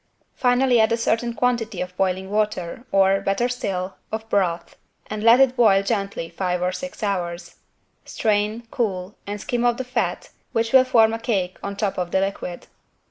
Finally add a certain quantity of boiling water or, better still, of broth, and let it boil gently five or six hours. Strain, cool and skim off the fat which will form a cake on top of the liquid.